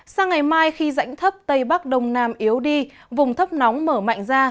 sang ngày mai khi rãnh thấp tây bắc đông nam yếu đi vùng thấp nóng mở mạnh ra